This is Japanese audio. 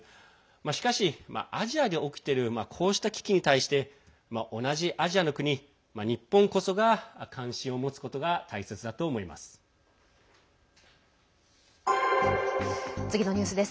しかし、アジアで起きているこうした危機に対して同じアジアの国、日本こそが関心を持つことが大切だと思います。